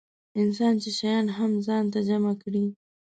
انسان چې شیان هم ځان ته جمع کړي.